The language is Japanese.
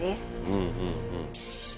うんうんうん。